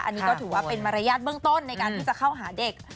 อันนี้ก็ถือว่าเป็นมารยาทเบื้องต้นในการที่จะเข้าหาเด็ก